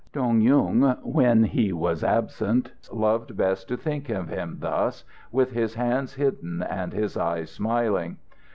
Dong Yung, when he was absent, loved best to think of him thus, with his hands hidden and his eyes smiling.